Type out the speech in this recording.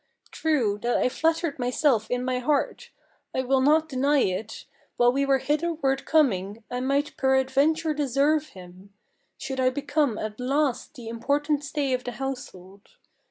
True, that I flattered myself in my heart, I will not deny it, While we were hitherward coming, I might peradventure deserve him, Should I become at last the important stay of the household.